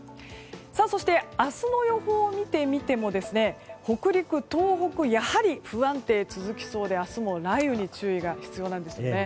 そして、明日の予報を見てみても北陸、東北やはり不安定続きそうで明日も雷雨に注意が必要なんですね。